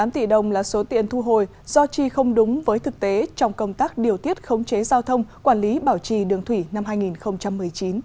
một tám tỷ đồng là số tiền thu hồi do chi không đúng với thực tế trong công tác điều tiết khống chế giao thông quản lý bảo trì đường thủy năm hai nghìn một mươi chín